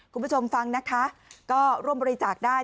คุณผู้ชมฟังนะคะก็ร่วมบริจาคได้